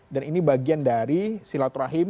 dan ini bagian dari silaturahim